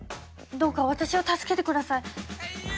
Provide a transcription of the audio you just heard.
どうか私を助けて下さい。